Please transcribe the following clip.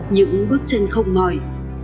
những bước chân không mỏi